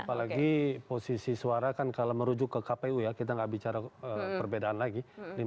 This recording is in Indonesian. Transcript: apalagi posisi suara kan kalau merujuk ke kpu ya kita nggak bicara perbedaan lagi